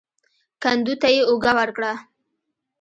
کندو ته يې اوږه ورکړه.